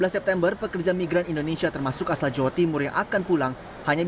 setelah mereka lolos pemeriksaan di jakarta